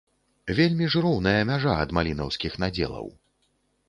Вельмі ж роўная мяжа ад малінаўскіх надзелаў.